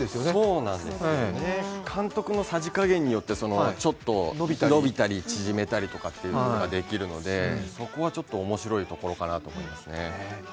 そうなんです、監督のさじ加減によって伸びたり縮めたりができるのでそこはちょっと面白いところかなとは思いますね。